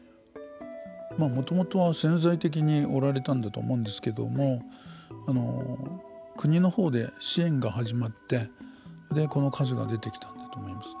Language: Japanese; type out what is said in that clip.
もともとは潜在的におられたんだと思うんですけれども国のほうで支援が始まってこの数が出てきたんだと思います。